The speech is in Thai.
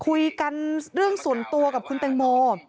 คุยกันเรื่องส่วนตัวกับคุณแตงโม